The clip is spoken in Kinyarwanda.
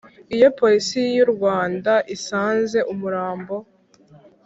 Iyo Polisi y u Rwanda isanze umurambo